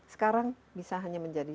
sekarang bisa hanya menjadi